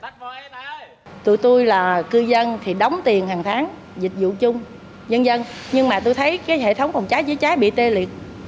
tụi tôi là cư dân thì đóng tiền hàng tháng dịch vụ chung dân dân nhưng mà tôi thấy hệ thống phòng cháy chữa cháy bị tê liệt